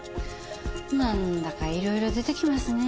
なんだかいろいろ出てきますね。